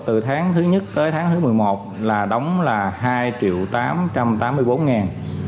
từ tháng thứ nhất tới tháng thứ một mươi một là đóng là hai tám trăm tám mươi bốn triệu đồng